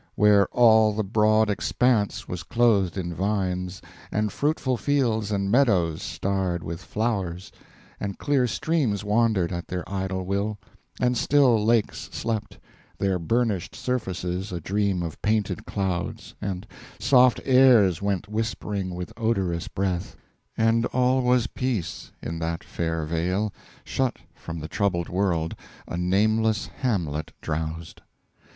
Where all the broad expanse was clothed in vines, And fruitful fields and meadows starred with flowers, And clear streams wandered at their idle will; And still lakes slept, their burnished surfaces A dream of painted clouds, and soft airs Went whispering with odorous breath, And all was peace in that fair vale, Shut from the troubled world, a nameless hamlet drowsed.